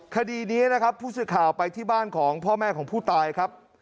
คดีนี้นะครับผู้สื่อข่าวไปที่บ้านของพ่อแม่ของผู้ตายครับ